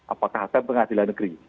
apakah hakim pengadilan negeri